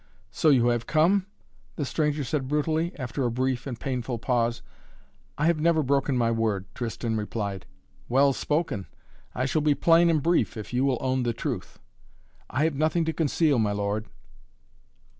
"So you have come?" the stranger said brutally, after a brief and painful pause. "I have never broken my word," Tristan replied. "Well spoken! I shall be plain and brief, if you will own the truth." "I have nothing to conceal, my lord."